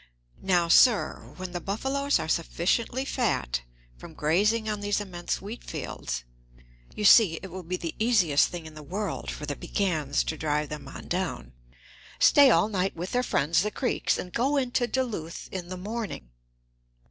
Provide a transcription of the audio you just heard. Now, sir, when the buffaloes are sufficiently fat from grazing on these immense wheat fields, you see it will be the easiest thing in the world for the Piegans to drive them on down, stay all night with their friends, the Creeks, and go into Duluth in the morning.